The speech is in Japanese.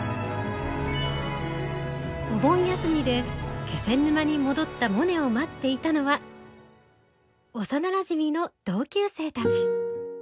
お盆休みで気仙沼に戻ったモネを待っていたのは幼なじみの同級生たち。